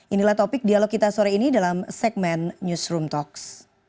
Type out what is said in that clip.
inilah topik dialog kita sore ini dalam segmen newsroom talks